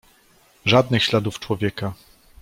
"Żadnych śladów człowieka."